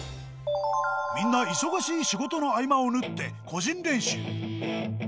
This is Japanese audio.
みんな忙しい仕事の合間を縫って、個人練習。